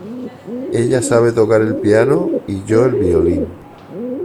Ella sabe tocar el piano, y yo el violín.